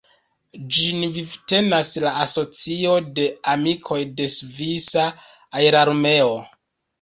Ĝin vivtenas la Asocio de amikoj de svisa aerarmeo.